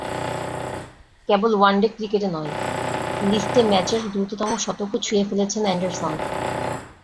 কেবল one day ক্রিকেটে নয়, লিস্টে ম্যাচের দ্রুততম শতকও ছুঁয়ে ফেলেছেন অ্যান্ডারসন।